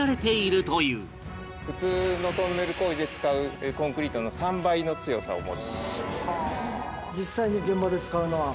普通のトンネル工事で使うコンクリートの３倍の強さを持つ。